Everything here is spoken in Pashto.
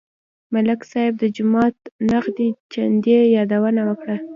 ملک صاحب د جومات نغدې چندې یادونه وکړه.